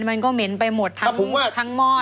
มันก็เหม็นไปหมดทั้งหม้อ